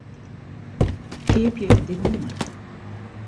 Keapje dit nûmer.